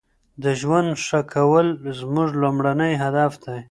د ژوند ښه کول زموږ لومړنی هدف دی.